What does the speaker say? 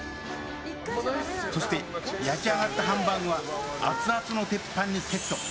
そして焼き上がったハンバーグはアツアツの鉄板にセット。